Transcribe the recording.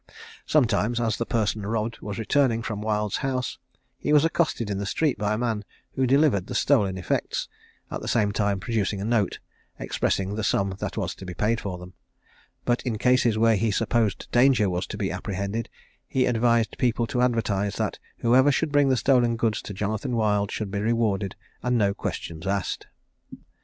Sometimes, as the person robbed was returning from Wild's house he was accosted in the street by a man who delivered the stolen effects, at the same time producing a note, expressing the sum that was to be paid for them; but in cases where he supposed danger was to be apprehended, he advised people to advertise that whoever would bring the stolen goods to Jonathan Wild should be rewarded, and no questions asked.